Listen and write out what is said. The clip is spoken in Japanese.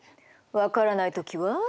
分からない時は。